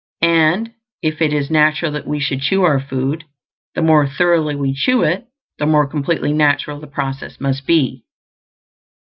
And if it is natural that we should chew our food, the more thoroughly we chew it the more completely natural the process must be.